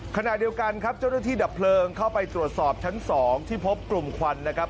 ขณะเดียวกันครับเจ้าหน้าที่ดับเพลิงเข้าไปตรวจสอบชั้น๒ที่พบกลุ่มควันนะครับ